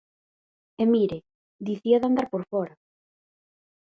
E mire, dicía de andar por fóra.